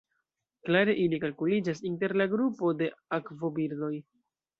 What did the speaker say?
Klare ili kalkuliĝas inter la grupo de akvobirdoj.